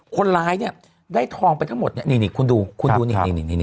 คนร้ายเนี่ยได้ทองไปทั้งหมดเนี่ยนี่คุณดูคุณดูนี่